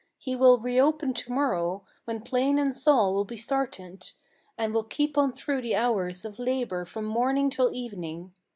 He will re open to morrow, when plane and saw will be started, And will keep on through the hours of labor from morning till evening.